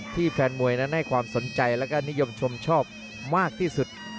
แฟนมวยนั้นให้ความสนใจและก็นิยมชมชอบมากที่สุด